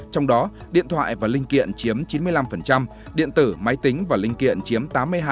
trong đó điện thoại và linh kiện chiếm chín mươi năm điện tử máy tính và linh kiện chiếm tám mươi hai